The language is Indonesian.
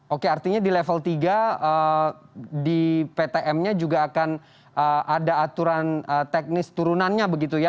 oke artinya di level tiga di ptm nya juga akan ada aturan teknis turunannya begitu ya